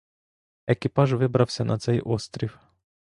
Екіпаж вибрався на цей острів.